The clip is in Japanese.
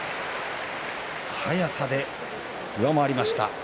速さで上回りました。